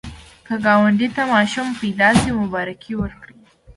که ګاونډي ته ماشوم پیدا شي، مبارکي ورکړه